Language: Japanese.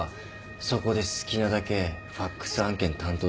そこで好きなだけファクス案件担当しとけ。